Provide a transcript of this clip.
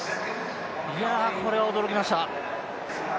いや、これは驚きました。